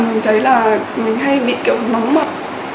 mình thấy là mình hay bị kiểu mắng mặn